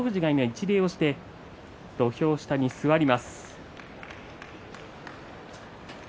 一礼をして土俵下に座ります。